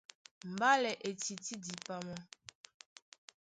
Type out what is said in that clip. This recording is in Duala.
Mbálɛ e tití dipama.